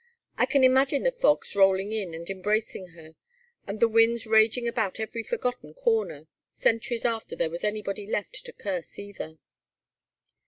I can imagine the fogs rolling in and embracing her, and the winds raging about every forgotten corner, centuries after there was anybody left to curse either."